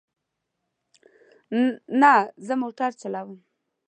نه، زه موټر چلوم